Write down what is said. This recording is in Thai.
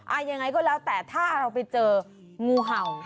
ยังไงก็แล้วแต่ถ้าเราไปเจองูเห่า